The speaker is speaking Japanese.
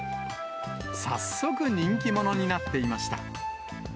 早速人気者になっていました。